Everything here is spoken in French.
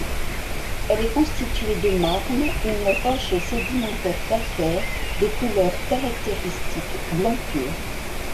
Elle est constituée de marne, une roche sédimentaire calcaire, de couleur caractéristique blanc pur.